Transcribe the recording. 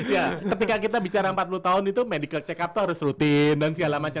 iya ketika kita bicara empat puluh tahun itu medical check up itu harus rutin dan segala macam